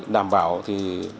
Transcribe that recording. đảm bảo thì